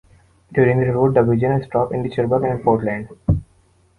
During the tour, the Division stopped in Cherbourg and Portland.